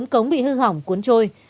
bốn cống bị hư hỏng cuốn trôi